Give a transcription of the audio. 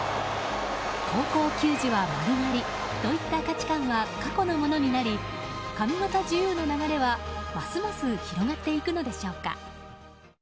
高校球児は丸刈りといった価値観は過去のものになり髪形自由の流れは、ますます広がっていくのでしょうか。